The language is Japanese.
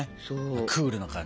クールな感じ。